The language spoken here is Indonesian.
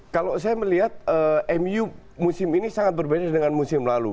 kalau saya melihat mu musim ini sangat berbeda dengan musim lalu